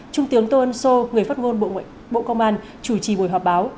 trung tướng tô ân sô người phát ngôn bộ công an chủ trì buổi họp báo